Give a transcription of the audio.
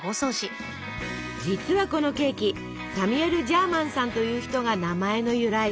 実はこのケーキサミュエル・ジャーマンさんという人が名前の由来。